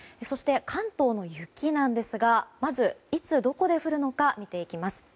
そして、関東の雪なんですがいつどこで降るのか見ていきます。